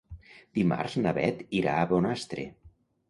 Dimarts na Beth irà a Bonastre.